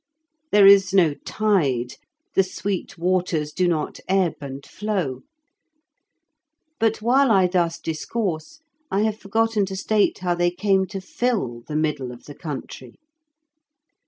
There is no tide; the sweet waters do not ebb and flow; but while I thus discourse, I have forgotten to state how they came to fill the middle of the country.